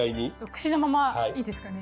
串のままいいですかね？